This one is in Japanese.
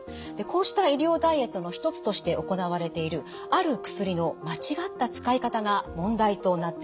こうした医療ダイエットの一つとして行われているある薬の間違った使い方が問題となっています。